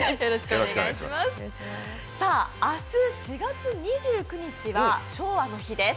明日、４月２９日は昭和の日です。